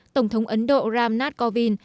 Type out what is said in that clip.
tổng thống ấn độ ram nath kovind